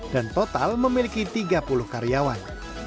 dan total memiliki tiga puluh karyawan